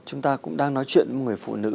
chúng ta cũng đang nói chuyện với người phụ nữ